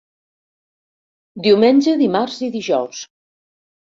Diumenge, dimarts i dijous.